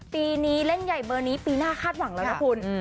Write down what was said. ปีนี้เล่นใหญ่เบอร์นี้ปีหน้าคาดหวังแล้วนะคุณ